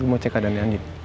gue mau cek keadaannya andi